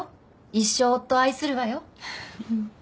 一生夫を愛するわよ。